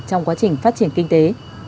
trong quá trình phát triển kinh tế